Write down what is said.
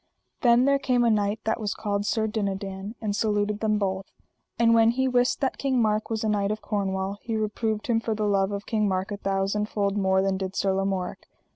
Then there came a knight that was called Sir Dinadan, and saluted them both. And when he wist that King Mark was a knight of Cornwall he reproved him for the love of King Mark a thousand fold more than did Sir Lamorak.